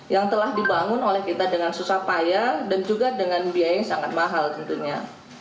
yang telah dibangun oleh kita dengan susah payah dan juga dengan biaya yang sangat mahal tentunya